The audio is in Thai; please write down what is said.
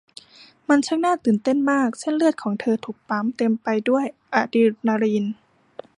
มันช่างน่าตื่นเต้นมากเส้นเลือดของเธอถูกปั๊มเต็มไปด้วยอะดรีนาลีน